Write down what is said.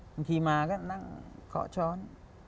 บางทีมาก็นั่งเคาะช้อน